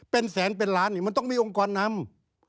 เป็นแสนเป็นล้านนี่มันต้องมีองค์กรนำ